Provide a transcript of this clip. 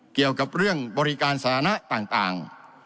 เกี่ยวกับเรื่องบริการสถานะต่าง